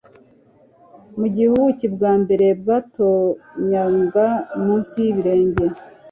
mugihe ubuki bwa ambere bwatonyanga munsi y'ibere